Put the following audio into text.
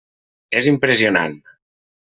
És impressionant.